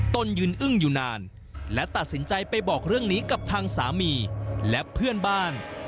ตนยืนอึ้งอยู่นานและตัดสินใจไปบอกเรื่องนี้กับทางสามีและเพื่อนบ้าน